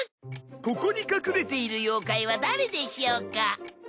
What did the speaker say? ここに隠れている妖怪は誰でしょうか？